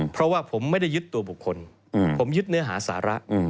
เพราะว่าผมไม่ได้ยึดตัวบุคคลผมยึดเนื้อหาสาระ